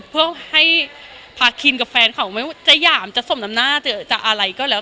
เพื่อให้พาคินกับแฟนเขาไม่ว่าจะหยามจะสมน้ำหน้าจะอะไรก็แล้ว